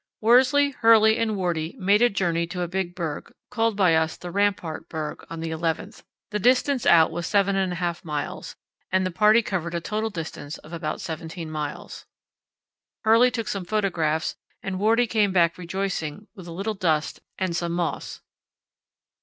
Worsley, Hurley, and Wordie made a journey to a big berg, called by us the Rampart Berg, on the 11th. The distance out was 7½ miles, and the party covered a total distance of about 17 miles. Hurley took some photographs and Wordie came back rejoicing with a little dust and some moss.